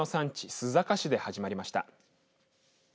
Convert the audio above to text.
須坂市で始まりました。